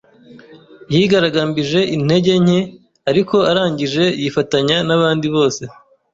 Yigaragambije intege nke, ariko arangije yifatanya nabandi bose.